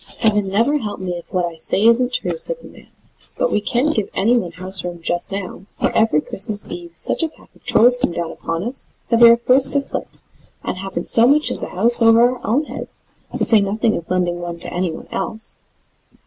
"Heaven never help me, if what I say isn't true!" said the man; "but we can't give anyone house room just now, for every Christmas Eve such a pack of Trolls come down upon us, that we are forced to flit, and haven't so much as a house over our own heads, to say nothing of lending one to anyone else."